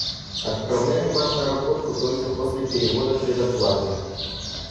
Отправлю вам наработку только после перевода предоплаты.